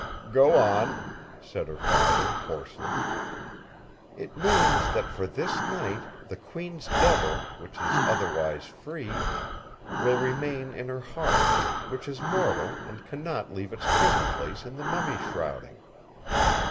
"Go on!" said her father hoarsely. "It means that for this night the Queen's Double, which is otherwise free, will remain in her heart, which is mortal and cannot leave its prison place in the mummy shrouding.